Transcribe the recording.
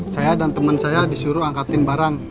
saya dan teman saya disuruh angkatin barang